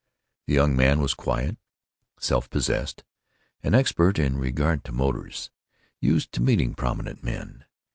The young man was quiet, self possessed, an expert in regard to motors, used to meeting prominent men.